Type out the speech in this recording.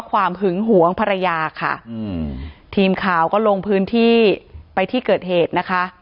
หึงหวงภรรยาค่ะอืมทีมข่าวก็ลงพื้นที่ไปที่เกิดเหตุนะคะ